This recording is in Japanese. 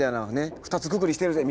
２つくくりしてるぜみたいな。